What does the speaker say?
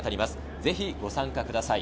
ぜひご参加ください。